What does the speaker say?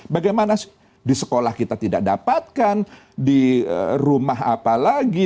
bagaimana di sekolah kita tidak dapatkan di rumah apalagi